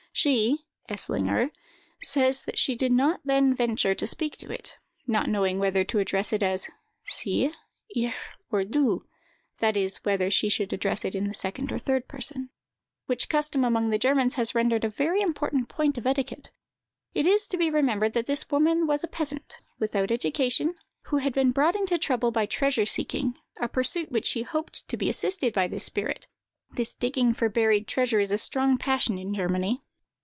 She (Eslinger) says that she did not then venture to speak to it, not knowing whether to address it as Sie, Ihr, or Du (that is, whether she should address it in the second or third person)—which custom among the Germans has rendered a very important point of etiquette. It is to be remembered that this woman was a peasant, without education, who had been brought into trouble by treasure seeking, a pursuit in which she hoped to be assisted by this spirit. This digging for buried treasure is a strong passion in Germany.